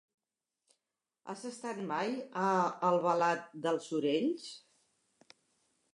Has estat mai a Albalat dels Sorells?